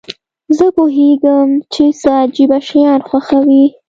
زه پوهیږم چې ته عجیبه شیان خوښوې.